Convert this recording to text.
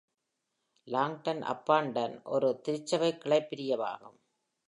Longdon-upon-Tern ஒரு திருச்சபைக் கிளைப்பிரிவாகும்.